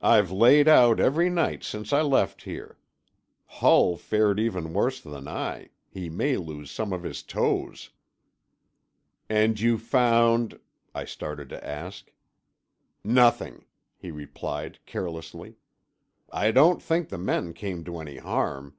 I've laid out every night since I left here. Hull fared even worse than I; he may lose some of his toes." "And you found——" I started to ask. "Nothing," he replied carelessly. "I don't think the men came to any harm.